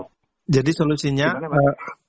jadi solusinya apa ya jadi solusinya apa ya